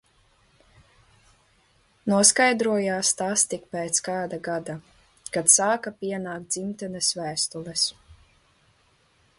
Noskaidrojās tas tikai pēc kāda gada, kad sāka pienākt dzimtenes vēstules.